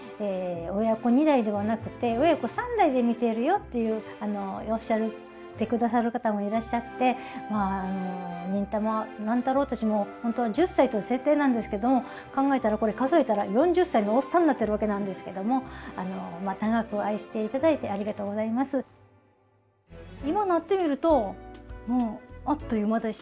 親子２代ではなくて親子３代で見ているよっておっしゃってくださる方もいらっしゃって「忍たま乱太郎」って本当は１０歳という設定なんですけども考えたらこれ数えたら４０歳のおっさんになってるわけなんですけども今なってみるとあっという間でしたね。